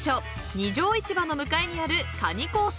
二条市場の向かいにある］